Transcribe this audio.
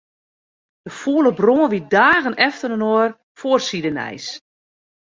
De fûle brân wie dagen efterinoar foarsidenijs.